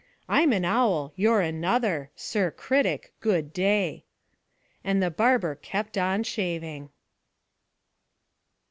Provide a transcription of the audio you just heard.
I'm an owl; you're another. Sir Critic, good day!' And the barber kept on shaving.